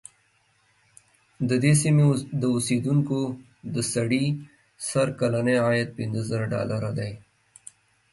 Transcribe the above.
د دې سیمې د اوسېدونکو د سړي سر کلنی عاید پنځه زره ډالره دی.